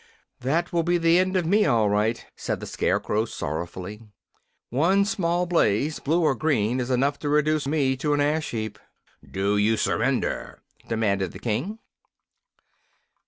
"That will be the end of me, all right," said the Scarecrow, sorrowfully. "One small blaze, blue or green, is enough to reduce me to an ash heap." "Do you surrender?" demanded the King.